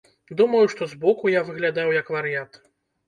Думаю, што збоку я выглядаў як вар'ят.